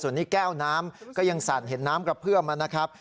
ส่วนนี้แก้วน้ำก็ยังสั่นเห็นน้ำกระเพื่อมนะครับ